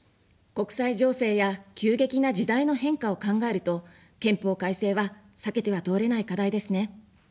国際情勢や急激な時代の変化を考えると、憲法改正は避けては通れない課題ですね。